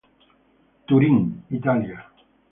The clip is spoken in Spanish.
Turín, Italia.